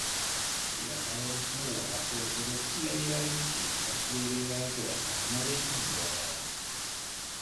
Fiatalon Mórra költözött szüleivel és két testvérével Zoltánnal és Andorral.